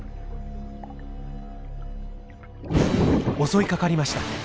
襲いかかりました。